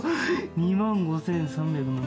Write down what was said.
２万５３０７円。